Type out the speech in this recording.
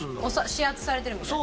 指圧されてるみたいな？